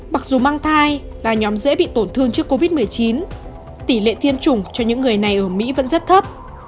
mặc dù mang thai là nhóm dễ bị tổn thương trước covid một mươi chín tỷ lệ tiêm chủng cho những người này ở mỹ vẫn rất thấp